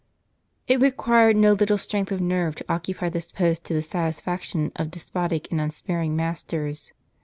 It required no little strength of nerve to occupy this post to the satisfaction of despotic and unsparing masters.